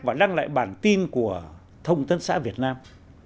và đăng lại bản tin của thông tấn xã việt nam